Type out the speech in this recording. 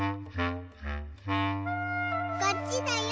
こっちだよ